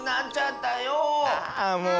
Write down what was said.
あもう。